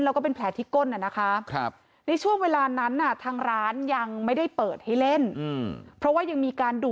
แล้วภาพจากกล้องวงจรปิด